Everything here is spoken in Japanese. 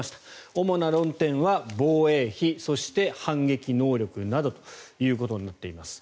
主な論点は防衛費、そして反撃能力などということになっています。